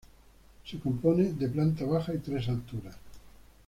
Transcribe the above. Se compone de planta baja y tres alturas.